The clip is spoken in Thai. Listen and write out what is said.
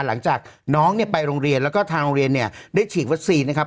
หลังจากน้องเนี่ยไปโรงเรียนแล้วก็ทางโรงเรียนเนี่ยได้ฉีดวัคซีนนะครับ